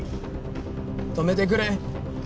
止めてくれ！